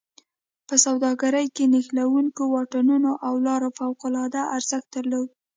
په سوداګرۍ کې نښلوونکو واټونو او لارو فوق العاده ارزښت درلوده.